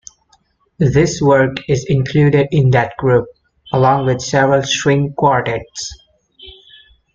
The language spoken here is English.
This work is included in that group along with several string quartets.